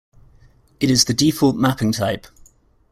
It is the default mapping type.